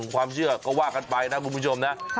ความเชื่อก็ว่ากันไปนะคุณผู้ชมนะ